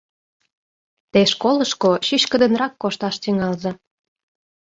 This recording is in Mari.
Те школышко чӱчкыдынрак кошташ тӱҥалза.